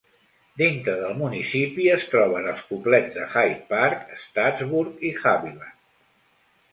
Dintre del municipi es troben els poblets de Hyde Park, Staatsburg i Haviland.